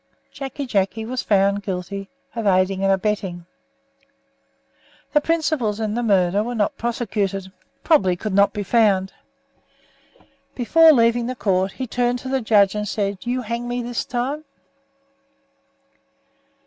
Jacky Jacky was found guilty of "aiding and abetting." The principals in the murder were not prosecuted, probably could not be found. Before leaving the court, he turned to the judge and said, "You hang me this time?"